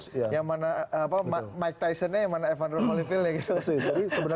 jadi ini yang mana mike tysonnya yang mana evandro moliville